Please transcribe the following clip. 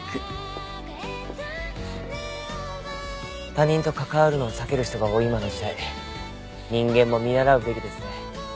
他人と関わるのを避ける人が多い今の時代人間も見習うべきですね。